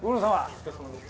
・お疲れさまです。